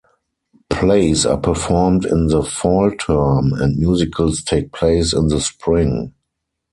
Plays are performed in the fall term, and musicals take place in the spring.